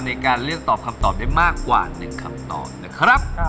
ในการเลือกตอบคำตอบได้มากกว่า๑คำตอบนะครับ